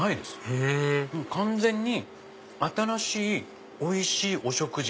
へぇ完全に新しいおいしいお食事。